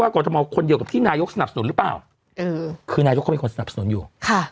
กรทมคนเดียวกับที่นายกสนับสนุนหรือเปล่าคือนายกเขาเป็นคนสนับสนุนอยู่